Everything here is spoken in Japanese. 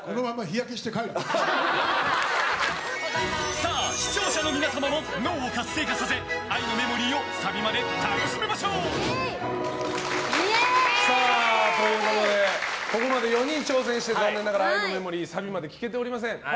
さあ、視聴者の皆様も脳を活性化させ「愛のメモリー」をサビまで楽しみましょう！ということでここまで４人挑戦して残念ながら「愛のメモリー」サビまで聴けていません。